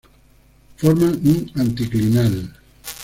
Forman un anticlinal.